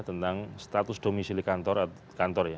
tentang status domisili kantor ya